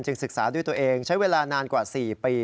ศึกษาด้วยตัวเองใช้เวลานานกว่า๔ปี